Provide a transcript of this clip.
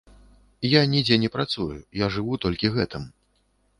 Я нідзе не працую, я жыву толькі гэтым.